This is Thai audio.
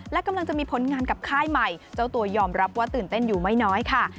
และกำลังจะมีผลงานกับค่ายใหม่เจ้าตัวยอมรับว่าตื่นเต้นอยู่ไม่น้อยค่ะ